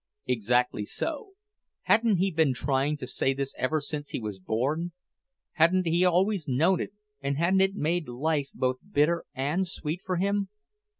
Exactly so; hadn't he been trying to say this ever since he was born? Hadn't he always known it, and hadn't it made life both bitter and sweet for him?